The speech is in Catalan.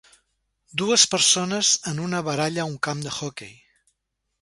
Dues persones en una baralla a un camp d'hoquei.